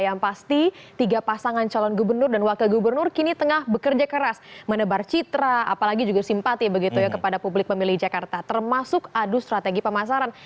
yang pasti tiga pasangan calon gubernur dan wakil gubernur kini tengah bekerja keras menebar citra apalagi juga simpati begitu ya kepada publik pemilih jakarta termasuk adu strategi pemasaran